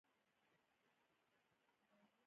هغوی د ډونر هېوادونو پورې منحصر پاتې کیږي.